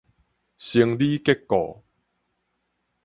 生理結構